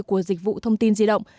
của dịch vụ thông tin di động